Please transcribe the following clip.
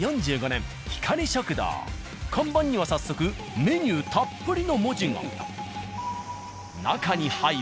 看板には早速「メニューたっぷり！！」の文字が。